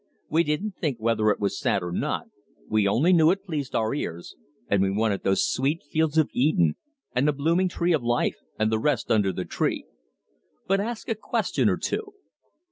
We didn't think whether it was sad or not, we only knew it pleased our ears, and we wanted those sweet fields of Eden, and the blooming tree of life, and the rest under the tree. But ask a question or two.